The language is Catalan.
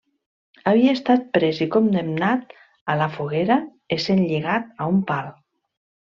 Havia estat pres i condemnat a la foguera, essent lligat a un pal.